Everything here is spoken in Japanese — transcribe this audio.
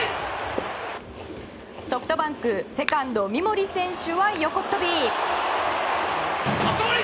ソフトバンクのセカンド三森選手は横っ飛び！